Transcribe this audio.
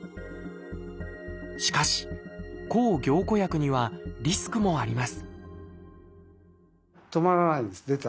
しかし抗凝固薬にはリスクもあります